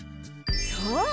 そう！